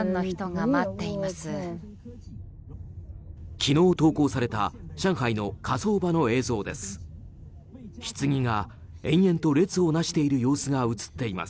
昨日、投稿された上海の火葬場の映像です。